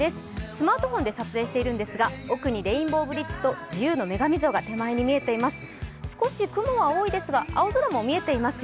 スマートフォンで撮影しているんですが、奥にレインボーブリッジと自由の女神像が手前に見えています。